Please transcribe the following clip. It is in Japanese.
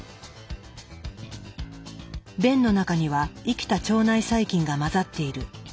便の中には生きた腸内細菌が混ざっている。